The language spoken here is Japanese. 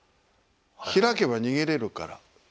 開けば逃げれるから。